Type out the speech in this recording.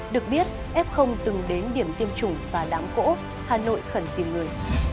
được biết f từng đến điểm tiêm chủng và đám cổ hà nội khẩn tìm người